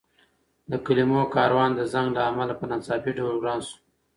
د کلمو کاروان د زنګ له امله په ناڅاپي ډول وران شو.